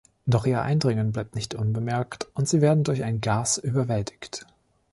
Doch ihr Eindringen bleibt nicht unbemerkt und sie werden durch ein Gas überwältigt.